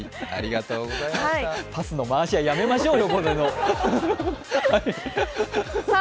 パスの回し合い、やめましょうよ。